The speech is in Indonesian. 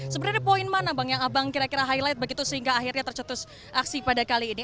sebenarnya poin mana bang yang abang kira kira highlight begitu sehingga akhirnya tercetus aksi pada kali ini